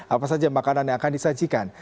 apa saja makanan yang akan disajikan